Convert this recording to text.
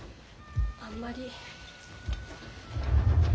あんまり。